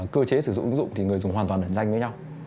cơ chế sử dụng ứng dụng thì người dùng hoàn toàn ẩn danh với nhau